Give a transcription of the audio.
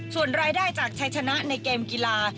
ส่วนรายได้จากชัยชนะในเกมกีฬา